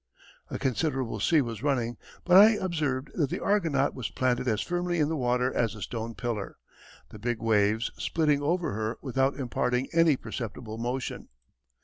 A considerable sea was running, but I observed that the Argonaut was planted as firmly in the water as a stone pillar, the big waves splitting over her without imparting any perceptible motion.